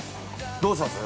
◆どうします？